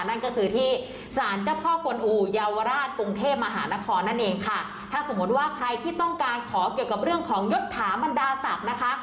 นั่นก็คือที่สารเจ้าพ่อกวนอูเยาวราชกรุงเทพมหานครนั่นเองค่ะถ้าสมมติว่าใครที่ต้องการขอเกี่ยวกับเรื่องของยศถามันดาสัตว์นะคะ